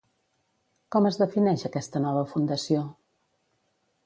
Com es defineix aquesta nova fundació?